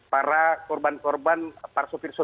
para korban korban para sopir sopir tersebut